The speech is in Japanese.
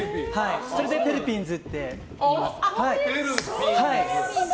それでペルピンズっていいます。